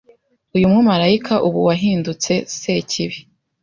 Uyu mumarayika ubu wahindutse Sekibi